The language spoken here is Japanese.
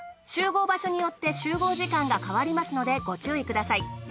集合場所によって集合時間が変わりますのでご注意ください。